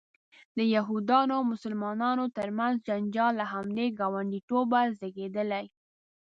د یهودانو او مسلمانانو ترمنځ جنجال له همدې ګاونډیتوبه زیږېدلی.